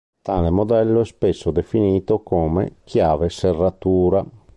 Tale modello è spesso definito come "chiave-serratura".